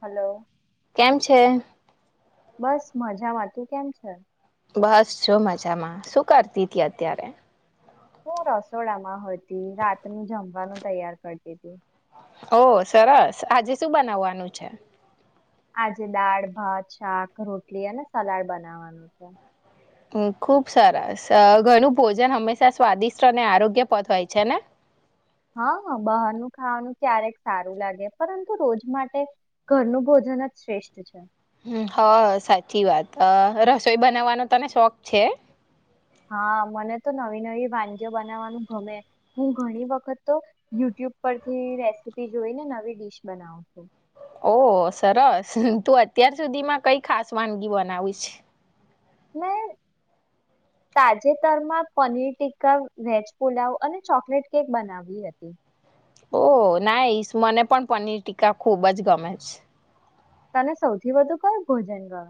Hello કેમ છે? બસ મજામાં તું કેમ છે? બસ જો મજામાં શું કરતી તી અત્યારે? હું રસોડામાં હતી રાતનું જમવાનું તૈયાર કરતી તી. ઓ સરસ આજે શું બનાવવાનું છે? આજે દાળ, ભાત, શાક, રોટલી અને સલાડ બનાવાનું છે. ખુબ સરસ ઘરનું ભોજન હંમેશા સ્વાદિષ્ટ અને આરોગ્યપદ હોય છે ને? હા હ બહારનું ખાવાનું ક્યારેક સારું લાગે પરંતુ રોજ માટે ઘરનું ભોજન જ શ્રેષ્ઠ છે. હ હ સાચી વાત અ રસોઈ બનાવવાનો તને શોખ છે? હા! મને તો નવી નવી વાનગીઓ બનાવવાનું ગમે. હું ઘણી વખત તો યુટ્યુબ પરથી રેસીપી જોઈ ને નવી ડીશ બનાવ છું ઓ સરસ! તું અત્યાર સુધીમાં કઈ ખાસ વાનગી બનાવી છે? મેં તાજેતરમાં પનીર ટીકા, વેજ પુલાવ અને ચોકલેટ કેક બનાવી હતી. ઓ નાઈશ મને પણ પનીર ટીકા ખુબ જ ગમે છે. તને સૌથી વધુ કયું ભોજન ગમે?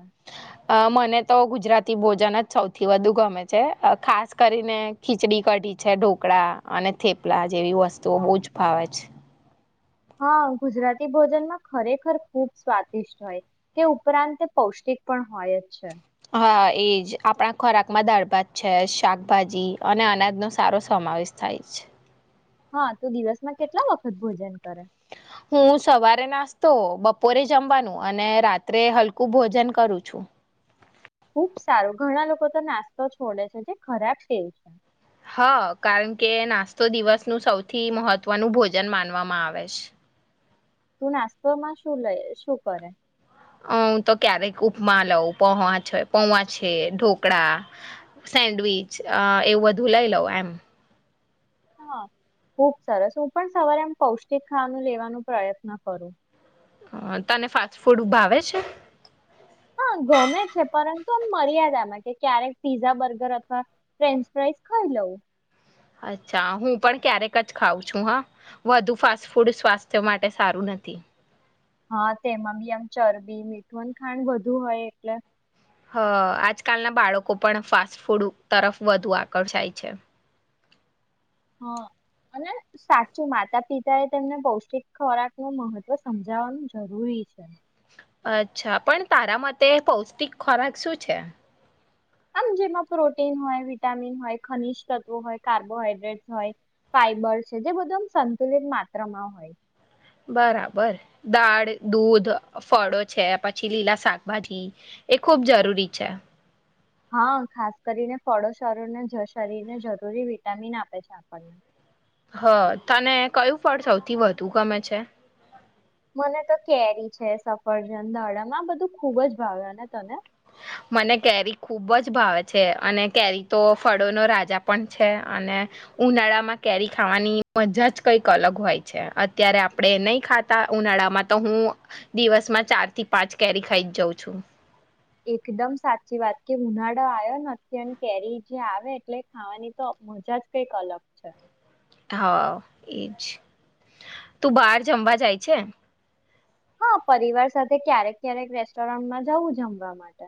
અ મને તો ગુજરાતી ભોજન જ સૌથી વધુ ગમે છે ખાસ કરીને ખીચડી કઢી છે ઢોકળા અને થેપલા જેવી વસ્તુઓ બહુ જ ભાવે છે હા ગુજરાતી ભોજનમાં ખરેખર ખુબ સ્વાદિષ્ટ હોય તે ઉપરાંત તે પૌષ્ટિક પણ હોય જ છે હા એજ આપણા ખોરાકમાં દાળ ભાત છે શાકભાજી અને અનાજનોો સારો સમાવેશ થાય છે હા તો દિવસમાં કેટલા વખત ભોજન કરે હું સવારે નાસ્તો બપોરે જમવાનું અને રાત્રે હલકું ભોજન કરું છું ખુબ સારું ઘણા લોકો તો નાસ્તો છોડે છે જે ખરાબ સેવ છે હા કારણ કે નાસ્તો દિવસનું સૌથી મહત્વનું ભોજન માનવામાં આવે છે તું નાસ્તોમાં શું લઈ શું કરે હ હું તો ક્યારેક ઉપમા લઉં પોવા છે પોવા છે ઢોકળા સેન્ડવીચ એવું બધું લઈ લઉં એમ હા ખુબ સરસ હું પણ સવારે આમ પૌષ્ટિક ખાવાનું લેવાનો પ્રયત્ન કરું હ તને ફાસ્ટ ફૂડ ઉભા આવે છે હા ગમે છે પરંતુ એમ મર્યાદ આમાં કે ક્યારેક પીઝા બર્ગર અથવા ફ્રેન્ચ ફ્રાઈઝ ખાઈ લઉું અચ્છા હું પણ ક્યારેક જ ખાઉં છું હા વધુ ફાસ્ટ ફૂડ સ્વાસ્થ્ય માટે સારું નથી હા તેમાં બી આમ ચરબી મીઠું ખાણ બુ હોય એટલે હ આજકાલના બાળકો પણ ફાસ્ટ ફૂડ તરફ વધુ આકર્ષાય છે હા અને સાચું માતા પિતા એ તેમને પૌષ્ટિક ખોરાક નું મહત્વ સમજાવવાનું જરૂરી છે અચ્છા પણ તારા માટે પૌષ્ટિક ખોરાક શું છે આમ જેમાં પ્રોટીન હોય વિટામિન હોય ખનિજ તત્વો હોય કાર્બોહાઈડ્રેટ્ હોય ફાઈબર્ છે જે બધું આમ સંતુલિત માત્રામાં હોય બરાબર દાળ દૂધ ફળો છે પછી લીલા શાકભાજી એ ખુબ જરૂરી છે હા ખાસ કરીને ફળોશરોને શરીરને જરૂરી વિટામિન આપે છે આપણને હ તને કયું ફળ સૌથી વધુ ગમે છે મને તો કેરી છે સફરજન દાડમ આ બધું ખુબ જ ભાવ્યું ને તને મને કેરી ખૂબ જ ભાવે છે અને કેરી તો ફળો ન રાજા પણ છે અને ઉનાળામાં કેરી ખાવાની મજા જ કંઈક અલગ હોય છે ત્યારે આપણે નહીં ખાતા ઉનાળામાં તો હું દિવસમાં ચાર થી પાંચ કેરી ખાઈ જ જાઉં છું એકદમ સાચી વાત કે ઉનાળો આવ્યો નથી અને કેરી જે આવે એટલે ખાવાની તો મજા જ કઈક અલગ છે હા એજ તું બાર જમવા જાય છે હા પરિવાર સાથે ક્યારેક ક્યારેક રેસ્ટોરન્ટમાં જવું જમવા માટે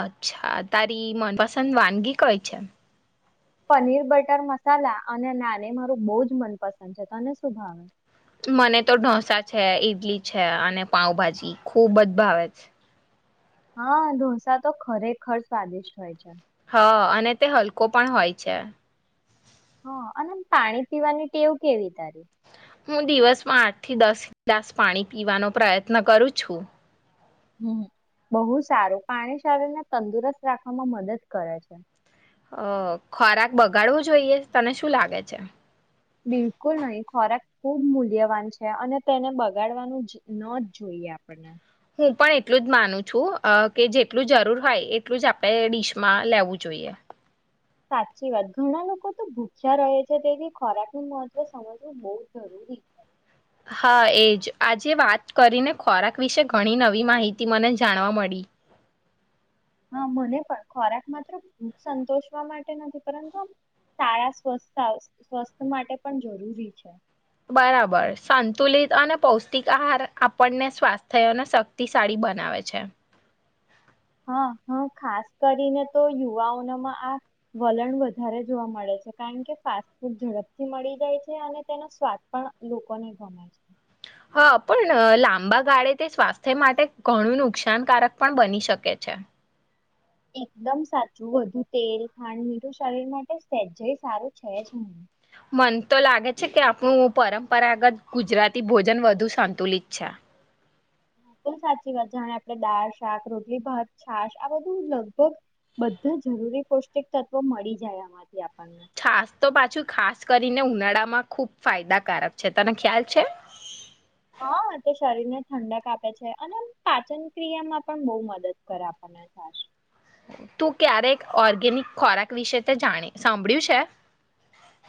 અચ્છા તારી મનપસંદ વાનગી કઈ છેમ પનીર બટર મસાલા અને નાને મારું બહ જ મનપસંદ છે તને શું ભાવે મને તો ઢોસા છે ઈડલી છે અને પાઉભાજી ખુબ બધ ભાવે છે હા ઢોસા તો ખરેખર સ્વાદિષ્ટ હોય છે હા અને તે હલકો પણ હોય છે હ અને પાણી પીવાની ટેવ કેવી તારી હું દિવસમાં આઠ થી દસ ગ્લાસ પાણી પીવાનો પ્રયત્ન કરું છું હમ બહુ સારું પાણી શરીર ને તંદુરસ્ત રાખવામાં મદદ કરે છે અ ખોરાક બગાડવું જોઈએ તને શું લાગે છે બિલકુલ નહીિ ખોરાક ખુબ મૂલ્યવાન છે અને તેને બગાડવાનું ન જ જોઈએ આપને હું પણ એટલું જ માનું છું કે જેટલું જરૂર હોય એટલું જ આપણે ડિશમાં લેવું જોઈએ સાચી વાત ઘણા લોકો તો ભૂખ્યા રહે છે તેથી ખોરાક નું મહત્વ સમજવું બહ જરૂરી છે હા એજ આજે વાત કરીને ખોરાક વિશે ઘણી નવી માહિતી મને જાણવા મળી હા મને પણ ખોરાક માત્ર સંતોષવા માટે નથી પરંતુ આમ સારા સ્વસ્થ સ્વસ્થ માટે પણ જરૂરી છે બરાબર સંતુલિત અને પૌષ્ટિક આહાર આપણને સ્વાસ્થ્ય અને શક્તિશાળી બનાવે છે હા હા ખાસ કરીને તો યુવાઓનામાં આ વલણ વધારે જોવા મળે છે કારણ કે ફાસ્ટ ફૂડ ઝડપથી મળી જાય છે અને તેનો સ્વાદ પણ લોકોને ગમે છે હા પણ લાંબા ગાળે તે સ્વાસ્થ્ય માટે ઘણું નુકસાનકારક પણ બની શકે છે એકદમ સાચું વધુ તેલ ખાંડ મીઠું શરીર માટે સહેજ મન તો લાગે છે કે આપણું પરંપરાગત ગુજરાતી ભોજન વધુ સંતુલિત છે બલકુલ સાચી વાત જાણે આપણે દાળ શાક રોટલી ભાત છાશ આ બધું લગભગ બધા જરૂરી પૌષ્ટિક તત્વો મળી જાય આમાંથી આપણને છાસ તો પાછું ખાસ કરી ઉનાળામાં ખુબ ફાયદાકારક છે તને ખ્યાલ છે હા તો શરીરને ઠંડક આપે છે અને પાચન ક્રિયામાં પણ બહુ મદદ કરે આપણને થ તું ક્યારે ઓર્ગેનિક ખોરાક વિશે તે જાણી સાંભળ્યું છે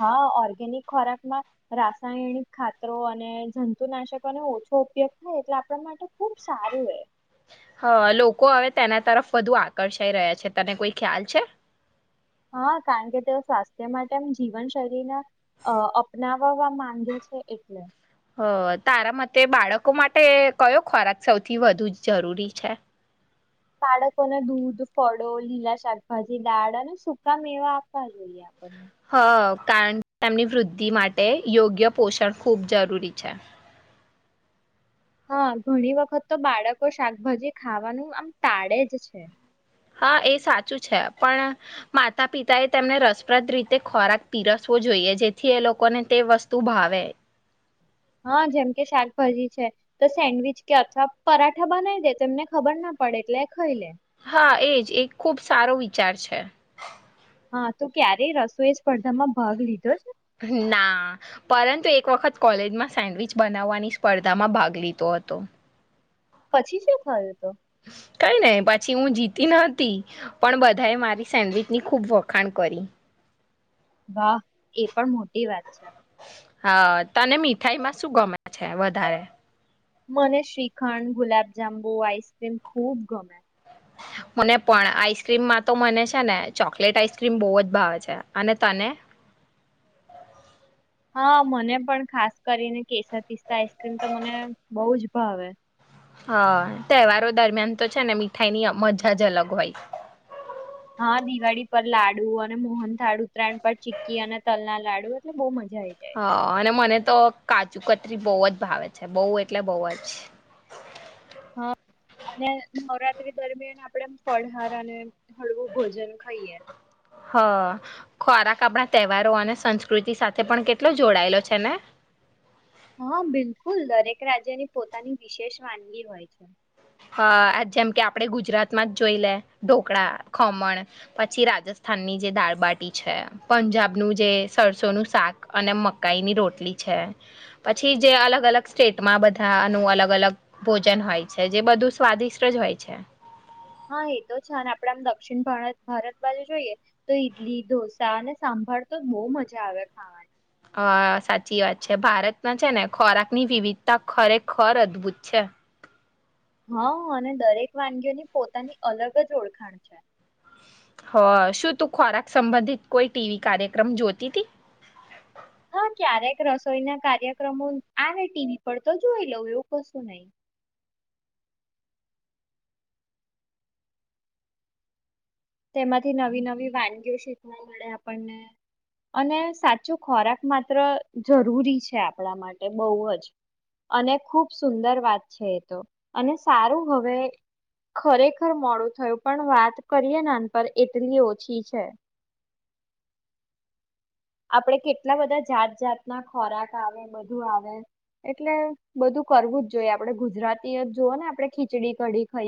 હા ઓર્ગેનિક ખોરાકમાં રાસાયણિક ખાતરો અને જંતુનાશકોને ઓછો ઉપયોગ થાય એટલે આપણા માટે ખુબ સારું એ હ લોકો હવે તેના તરફ વધુ આકર્ષાઈ રહ્યા છે તને કોઈ ખ્યાલ છે હા કારણ કે તેઓ સ્વાસ્થ્ય માટેમ જીવનશૈલીને અપનાવવા માંગે છે એટલે હ તારા મતે બાળકો માટે કયો ખોરાક સૌથી વધુ જ જરૂરી છે બાળકોના દૂધ ફળો લીલા શાકભાજી દાળ અને સુકા મેવા આપવા જોઈએ આપણને હ કારણ કે તેમની વૃદ્ધિ માટે યોગ્ય પોષણ ખૂબ જરૂરી છે હા ઘણી વખત તો બાળકો શાકભાજી ખાવાનું આમ ટાળે જ છે હા એ સાચું છે પણ માતા પિતા એ તેમને રસપ્રદ રીતે ખોરાક પીરસવો જોઈએ જેથી એ લોકોને તે વસ્તુ ભાવે હા જેમ કે શાકભાજી છે તો સેન્ડવીચ કે અથવા પરાઠા બનાવી દે એમને ખબર ના પડે એટલે ખાઈ લે હા એજ એક ખુબ સારો વિચાર છે હા તો ક્યારેય રસોએ સ્પર્ધામાં ભાગ લીધો જ ના પરંતુ એક વખત કોલેજમાં સેન્ડવીિચ બનાવવાની સ્પર્ધામાં ભાગ લીધો હતો પછી શું થાય તો કઈ નને પછી હું જીતી નતી પણ બધાએ મારી સેન્ડવીચ ની ખુબ વખાણ કરી વાહ એ પણ મોટી વાત છે હા તને મીઠાઈમાં શું ગમે છે વધારે ગુલાબ જાંબુ આઈસક્રીમ ખુબ ગમે મને પણ આઈસ્ક્રીમમાં તો મને છે ને ચોકલેટ આઈસ્ક્રીમ બહુ જ ભાવે છે અને તને હા મને પણ ખાસ કરીને કેસર તિસ્તા આઈસ્ક્રીમ તો મને બહુ જ ભાવે હ તહેવારો દરમિયાન તો છે ને મીઠાઈની મજા જ અલગ હોય હા દિવાળી પર લાડુ અને મોહન થાળુ ઉત્તરાયણ પર ચી્કી અને તલના લાડુ એટલે બહુ મજા આવી જાય હા અને મને તો કા ચુકત્રી બહુ જ ભાવે છે બહુ એટલે બહુ જ હા અને નવરાત્રી દરમિયાન આપણે ફળહારા અને હળવું ભોજન ખાઈએ હા ખોરાક આપણા તહેવારો અને સંસ્કૃતિ સાથે પણ કેટલો જોડાયેલો છે ને હા બિલકુલ દરેક રાજ્યની પોતાની વિશેષ વાનગી હોય છે જેમ કે આપણે ગુજરાતમાં જ જોઈ લે ઢોકળા ખમણ પછી રાજસ્થાનની જે દાળબાટી છે પંજાબનું જે સરસોનું શાક અને મકાઈની રોટલી છે પછી જે અલગ અલગ સ્ટેટમાં બધાનું અલગ અલગ ભોજન હોય છે જે બધું સ્વાદિષ્ટ જ હોય છે હા એ તો છે અને આપણેે આમ દક્ષિણ ભારત બાજુ જોઈએ તો ઈડલી ઢોસા અને સાંભળ તો બહુ મજા આવે ખાવાની હા સાચી વાત છે ભારતમાં છે ને ખોરાક ની વિવિધતા ખરેખર અદભુત છે હા અને દરેક વાનગીઓની પોતાની અલગ જ ઓળખાણ છે હ શું તું ખોરાક સંબંધિત કોઈ ટીવી કાર્યક્રમ જોતી હતી હા ક્યારેક રસોઈના કાર્યક્રમો આને ટીવી પર તો જોઈ લઉં એવું કશું નહીિ તેમાંથી નવી નવી વાનગીઓ શીખવા મળે આપણને અને સાચું ખોરાક માત્ર જરૂરી છે આપણા માટે બહુ જ અને ખુબ સુંદર વાત છે એ તો અને સારું હવે ખરેખર મોડું થયું પણ વાત કરીએ એટલી ઓછી છે આપડે કેટલા બધા જાત જાત ના ખોરાક આવે બધું આવે એટલે બધું કરવું જ જોઈએ આપડે ગુજરાતી જ જોુઓ ને આપણે ખીચડી કઢી ખાઈએ